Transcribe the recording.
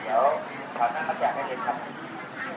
แล้วเราจะต่อสักอีกครับ